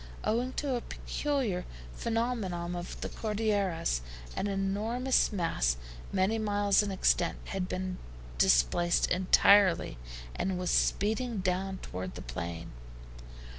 Owing to a peculiar phenomenon of the Cordilleras, an enormous mass, many miles in extent, had been displaced entirely, and was speeding down toward the plain.